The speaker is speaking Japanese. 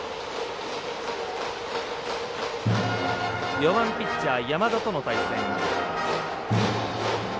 ４番ピッチャー、山田との対戦。